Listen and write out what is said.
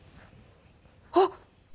あっ！